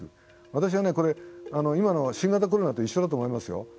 私はね、これ今の新型コロナと一緒だと思いますよ。